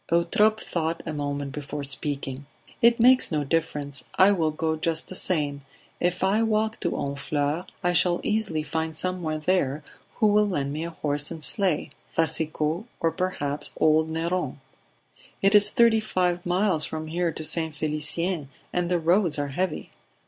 Eutrope thought a moment before speaking. "It makes no difference. I will go just the same. If I walk to Honfleur, I shall easily find someone there who will lend me a horse and sleigh Racicot, or perhaps old Neron." "It is thirty five miles from here to St. Felicien and the roads are heavy."